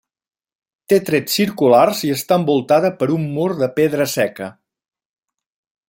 Té trets circulars i està envoltada per un mur de pedra seca.